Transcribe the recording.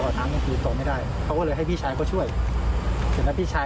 น้ายด่งของน้ายด่มเขาก็คุยกับเรา